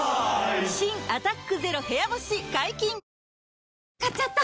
新「アタックＺＥＲＯ部屋干し」解禁‼買っちゃった！